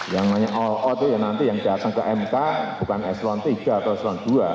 yang namanya all out itu ya nanti yang datang ke mk bukan eselon tiga atau eselon dua